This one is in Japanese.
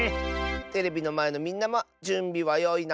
テレビのまえのみんなもじゅんびはよいな。